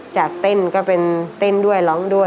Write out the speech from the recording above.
จากเต้นก็เป็นเต้นด้วยร้องด้วย